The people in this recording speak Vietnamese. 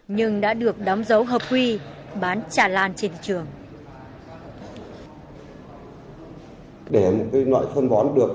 nhưng đã được đóng dấu hợp quy bán tràn lan trên thị trường